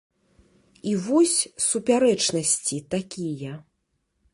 І вось супярэчнасці такія.